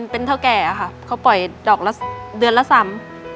เป็นเท่าแก่ค่ะเขาปล่อยดอกละเดือนละสาม